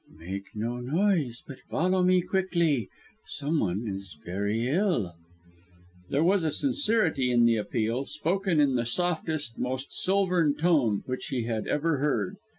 "Make no noise, but follow me quickly. Someone is very ill." There was sincerity in the appeal, spoken in the softest, most silvern tone which he had ever heard.